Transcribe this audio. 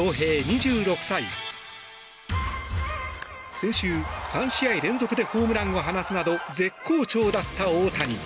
先週、３試合連続でホームランを放つなど絶好調だった大谷。